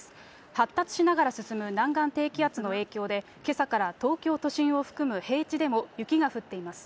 発達しながら進む南岸低気圧の影響で、けさから東京都心を含む平地でも雪が降っています。